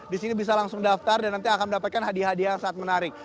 di sini bisa langsung daftar dan nanti akan mendapatkan hadiah hadiah yang sangat menarik